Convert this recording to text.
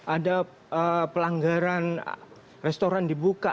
ada pelanggaran restoran dibuka